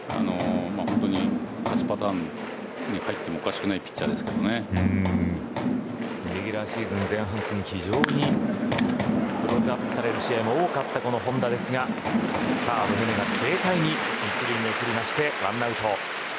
本当に勝ちパターンに入ってもおかしくないレギュラーシーズン前半戦非常にクローズアップされる試合も多かった本田ですが宗が軽快に１塁に送って１アウト。